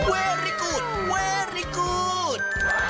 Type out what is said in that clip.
เวรี่กูดเวรี่กูด